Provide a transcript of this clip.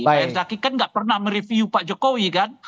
pak herzaki kan nggak pernah mereview pak jokowi kan